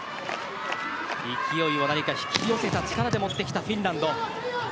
勢いを引き寄せた力で持ってきたフィンランド。